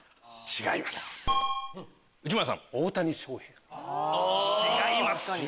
違います！